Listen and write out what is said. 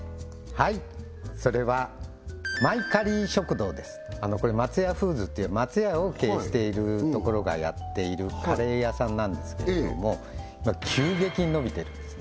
はいそれはこれ松屋フーズっていう松屋を経営しているところがやっているカレー屋さんなんですけれども急激に伸びてるんですね